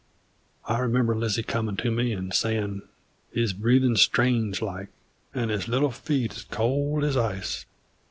I remember Lizzie's comin' to me and sayin': "He's breathin' strange like, 'nd his little feet is cold as ice."